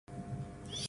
No audio.